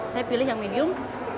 saya pilih yang medium